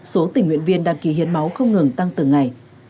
số tỉnh huyện viên đăng ký hiến máu không ngừng tăng từng ngày